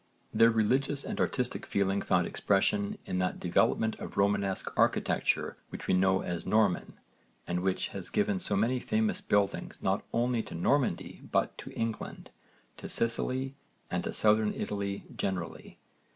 Their religious and artistic feeling found expression in that development of Romanesque architecture which we know as Norman and which has given so many famous buildings not only to Normandy but to England, to Sicily and to Southern Italy generally.